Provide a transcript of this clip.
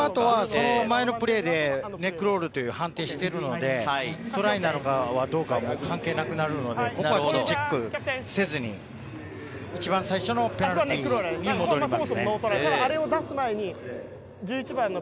前のプレーでネックロールの判定をしているので、トライなのかどうか関係なくなるので、ここはチェックせずに、一番最初のペナルティーに戻りますね。